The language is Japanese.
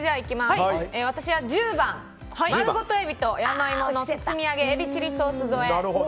私は１０番、丸ごと海老と山芋の包み揚げエビチリソース添え。